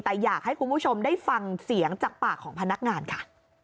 แต่อยากให้คุณผู้ชมได้ฟังเสียงจากปากของพนักงานค่ะ